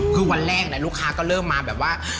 คือวันแรกลูกค้าก็เริ่มมาแบบว่า